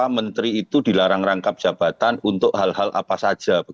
menteri itu dilarang rangkap jabatan untuk hal hal apa saja